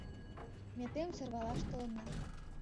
Ме тыйым сӧрвалаш толынна...